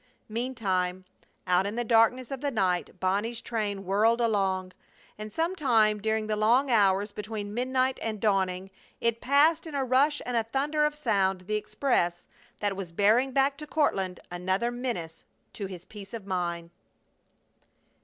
Meantime, out in the darkness of the night Bonnie's train whirled along, and some time during the long hours between midnight and dawning it passed in a rush and a thunder of sound the express that was bearing back to Courtland another menace to his peace of mind.